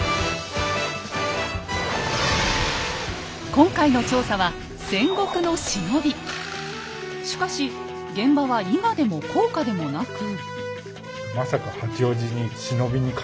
今回の調査はしかし現場は伊賀でも甲賀でもなく。